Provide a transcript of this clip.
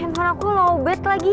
handphone aku lowbat lagi